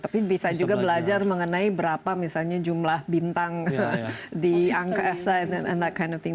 tapi bisa juga belajar mengenai berapa misalnya jumlah bintang di angka s and that kind of thing